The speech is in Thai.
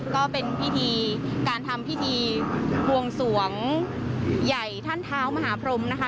ก็เป็นพิธีการทำพิธีบวงสวงใหญ่ท่านเท้ามหาพรมนะคะ